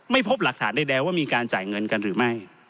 พบหลักฐานใดว่ามีการจ่ายเงินกันหรือไม่